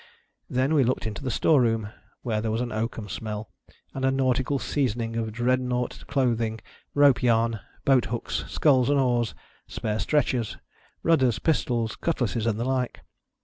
Then, we looked into the store room ; where there was au oakhum smell, and a nautical seasoning of dreadnought clothing, rope yarn, boat hooks, sculls and oars, spare stretchers, rudders, pistols, cutlasses, and the like.